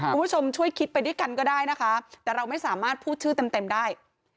คุณผู้ชมช่วยคิดไปด้วยกันก็ได้นะคะแต่เราไม่สามารถพูดชื่อเต็มได้